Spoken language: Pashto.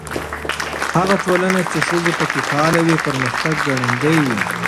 هغه ټولنه چې ښځې پکې فعالې وي، پرمختګ ګړندی وي.